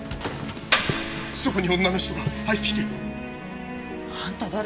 そこに女の人が入ってきて。あんた誰？